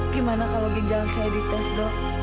gimana kalau ginjal saya dites dok